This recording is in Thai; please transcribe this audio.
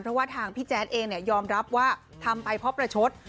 เพราะว่าทางพี่แจ๊ดเองยอมรับว่าทำไปเพราะประชด